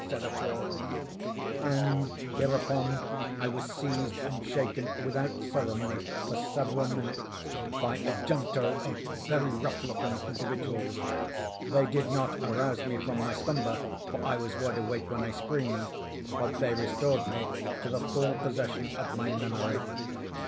said a fourth; and hereupon I was seized and shaken without ceremony, for several minutes, by a junto of very rough looking individuals. They did not arouse me from my slumber—for I was wide awake when I screamed—but they restored me to the full possession of my memory.